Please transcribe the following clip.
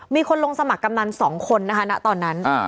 มีคนลงสมัครกำนัน๒คนนะคะณตอนนั้น